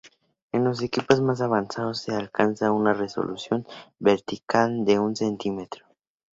En los equipos más avanzados se alcanza una resolución vertical de un centímetro.